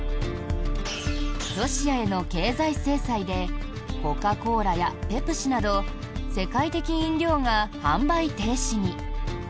ロシアへの経済制裁でコカ・コーラやペプシなど世界的飲料が販売停止に。